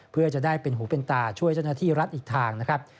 เพื่อจะได้เป็นหูเป็นตาช่วยเจ้าหน้าที่รัฐอีกทางนะครับ